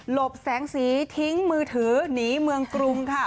บแสงสีทิ้งมือถือหนีเมืองกรุงค่ะ